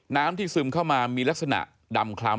น้ำซึมมี่ลักษณะดำคล้ำ